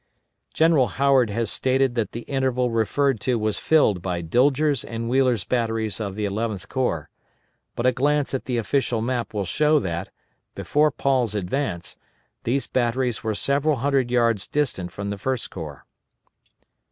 General Howard has stated that the interval referred to was filled by Dilger's and Wheeler's batteries of the Eleventh Corps, but a glance at the official map will show that, before Paul's advance, these batteries were several hundred yards distant from the First Corps.